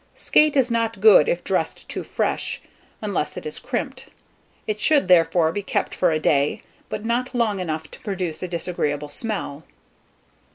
Skate is not good if dressed too fresh, unless it is crimped; it should, therefore, be kept for a day, but not long enough to produce a disagreeable smell.